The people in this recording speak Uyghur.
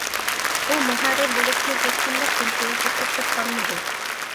ئۇ مۇھەررىر بولۇشنى ھېچقانداق ئىمتىيازلىق ئىش دەپ قارىمىدى.